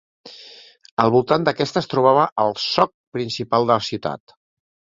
Al voltant d'aquesta es trobava el soc principal de la ciutat.